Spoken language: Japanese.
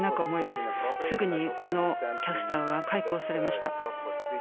すぐにこのキャスターは解雇されました。